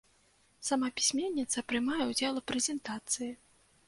Сама пісьменніца прымае ўдзел у прэзентацыі.